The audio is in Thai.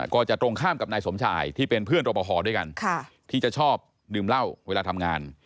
ก็จะตรงข้ามกับนายสมชายที่เป็นเพื่อนรอปภด้วยกันที่จะชอบดื่มเหล้าเวลาทำงาน